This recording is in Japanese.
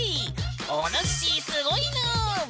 おぬっしすごいぬん！